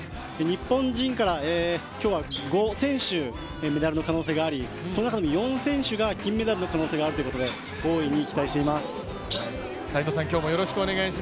日本人から今日は５選手、メダルの可能性があり、その中でも４選手がメダルの可能性があるということで大いに期待しています。